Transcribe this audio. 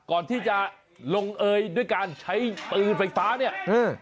ก่อนที่จะลงเอยด้วยการใช้ปืนไฟฟ้าเนี่ยเออ